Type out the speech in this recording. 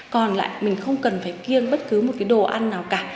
còn lại mình không cần phải kiêng bất cứ một cái đồ ăn nào cả